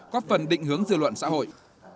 có phần định hướng dư luận xã hội